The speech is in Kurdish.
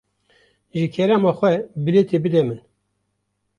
Ji kerema xwe, bilêtê bide min.